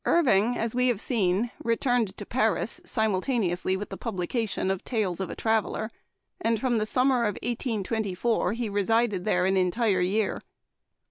RVING, as we have seen, returned to Paris simultaneously with the publication of *' Tales of a Traveler," and from the summer of 1824 he resided there an entire year.